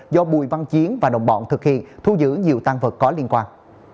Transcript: do bùi văn chiến và đồng bọn thực hiện thu giữ nhiều tăng vật có liên quan